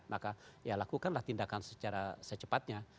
maka ya lakukanlah tindakan secara secepatnya